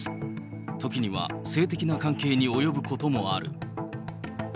時には、性的な関係に及ぶこともある。